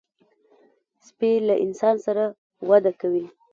سپي له انسان سره وده کوي.